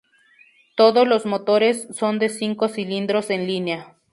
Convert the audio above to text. Todos los motores son de cinco cilindros en línea.